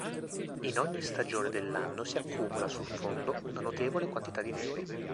In ogni stagione dell'anno si accumula sul fondo una notevole quantità di neve.